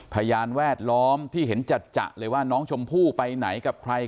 พยานแวดล้อมที่เห็นจัดเลยว่าน้องชมพู่ไปไหนกับใคร